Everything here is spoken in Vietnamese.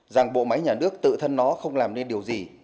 rằng bộ máy nhà nước tự thân nó không làm nên điều gì